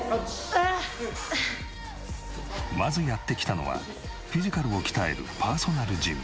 まずやって来たのはフィジカルを鍛えるパーソナルジム。